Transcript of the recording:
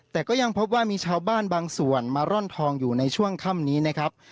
แต่ก็ยังพบว่ามีชาวบ้านบางส่วนมาร่อนทองอยู่ในช่วงค่ำนี้นะครับ